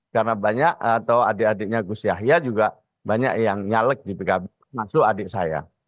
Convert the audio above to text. karena banyak atau adik adiknya usia hia juga banyak yang nyalek di pkb termasuk adik saya